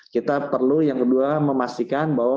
kita perlu yang kedua memastikan bahwa